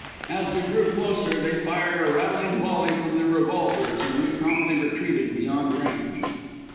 As we drew closer, they fired a rattling volley from their revolvers, and we promptly retreated beyond range.